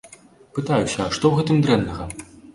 Пытаюся, а што у гэтым дрэннага?